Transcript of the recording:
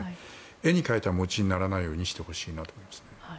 絵に描いた餅にならないようにしてほしいなと思いますね。